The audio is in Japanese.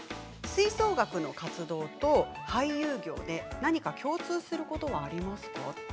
吹奏楽の活動と俳優業で何か共通することはありますか。